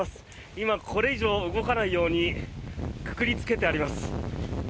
今、これ以上動かないようにくくりつけてあります。